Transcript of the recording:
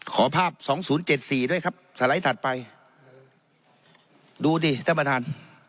ขอภาพสองศูนย์เจ็ดสี่ด้วยครับสไลด์ถัดไปดูดิแท้ประธาน